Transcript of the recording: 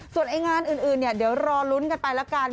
ส่วนไอ้งานอื่นเนี่ยเดี๋ยวรอลุ้นกันไปแล้วกัน